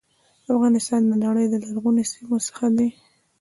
افغانستان د نړی د لرغونو سیمو څخه دی.